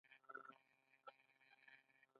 د یوه مزي په وسیله یې غار ته ډیوه ښکته کړه.